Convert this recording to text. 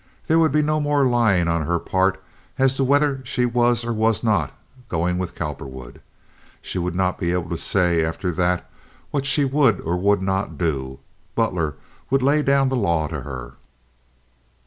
There would be no more lying on her part as to whether she was or was not going with Cowperwood. She would not be able to say after that what she would or would not do. Butler would lay down the law to her.